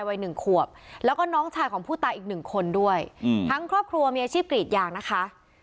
วัยหนึ่งขวบแล้วก็น้องชายของผู้ตายอีกหนึ่งคนด้วยอืมทั้งครอบครัวมีอาชีพกรีดยางนะคะ